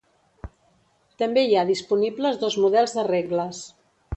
També hi ha disponibles dos models de regles.